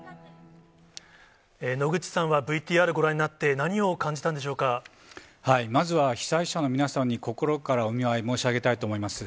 野口さんはＶＴＲご覧になっまずは被災者の皆さんに心からお見舞い申し上げたいと思います。